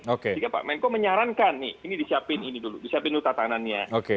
sehingga pak menko menyarankan ini disiapkan dulu tatanannya